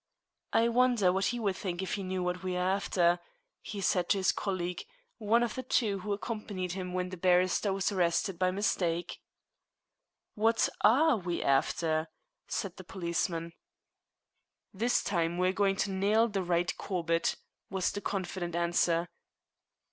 "I wonder what he would think if he knew what we are after," he said to his colleague, one of the two who accompanied him when the barrister was arrested by mistake. "What are we after?" said the policeman. "This time we are going to nail the right Corbett," was the confident answer.